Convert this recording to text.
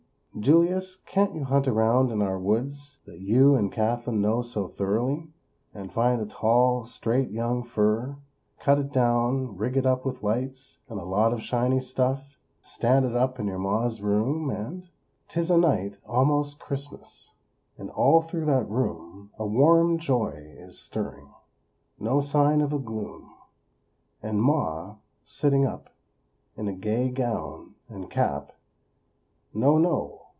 Julius, can't you hunt around in our woods that you and Kathlyn know so thoroughly, and find a tall, straight young fir; cut it down, rig it up with lights and a lot of shiny stuff; stand it up in your Ma's room, and "'Tis a night, almost Christmas, And all through that room A warm joy is stirring; No sign of a gloom. And "Ma," sitting up, In gay gown, and cap, No, no!